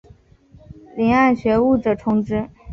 遴谙学务者充之。